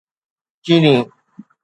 چيني